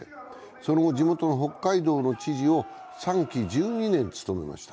その後、地元の北海道の知事を３期１２年務めました。